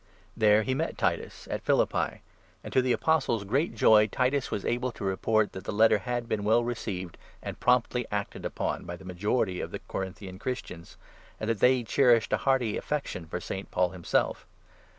There he met Titus at Philippi ; and to the Apostle's great joy Titus was able to report that the Letter had been well received, and promptly acted upon, by the majority of the Corinthian Christians, and that they cherished a hearty affection for St. Paul himself.